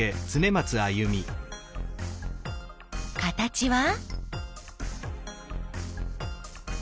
形は？